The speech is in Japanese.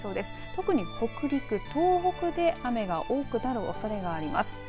特に北陸、東北で雨が多くなるおそれがあります。